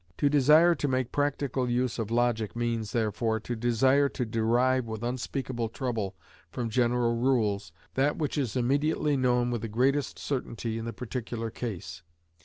To desire to make practical use of logic means, therefore, to desire to derive with unspeakable trouble, from general rules, that which is immediately known with the greatest certainty in the particular case.